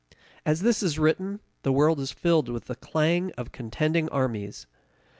As this is written, the world is filled with the clang of contending armies.